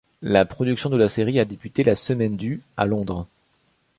La production de la série a débuté la semaine du à Londres.